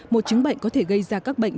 một chứng bệnh có thể gây ra các bệnh